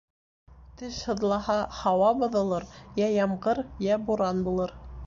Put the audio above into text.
Теш һыҙлаһа, һауа боҙолор, йә ямғыр, йә буран булыр.